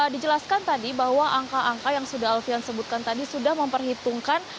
dijelaskan tadi bahwa angka angka yang sudah alfian sebutkan tadi sudah memperhitungkan